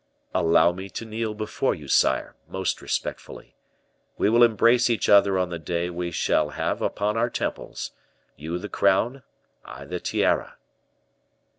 "Allow me to kneel before you, sire, most respectfully. We will embrace each other on the day we shall have upon our temples, you the crown, I the tiara."